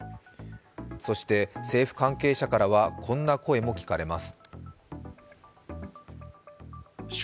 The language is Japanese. そして政府関係者からは、こんな声も聞かれます。